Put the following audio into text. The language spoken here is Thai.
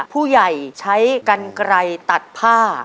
ผู้ใหญ่ใช้กันไกลตัดผ้า